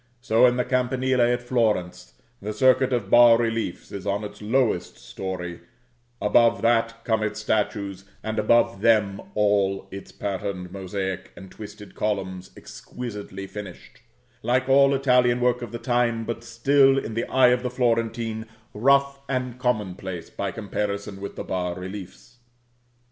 So in the campanile at Florence, the circuit of bas reliefs is on its lowest story; above that come its statues; and above them all its pattern mosaic, and twisted columns, exquisitely finished, like all Italian work of the time, but still, in the eye of the Florentine, rough and commonplace by comparison with the bas reliefs.